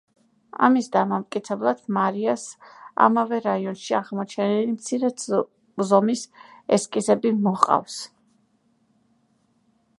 ამის დამამტკიცებლად, მარიას ამავე რაიონში აღმოჩენილი მცირე ზომის ესკიზები მოჰყავს.